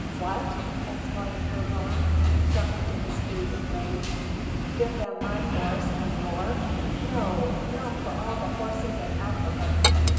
"What!" exclaimed Groot Willem, jumping to his feet in rage, "Give them my horse and roer? No, not for all the horses in Africa."